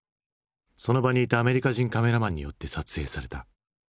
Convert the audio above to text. その場にいたアメリカ人カメラマンによって撮影された。